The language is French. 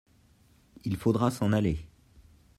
il faudra s'en aller.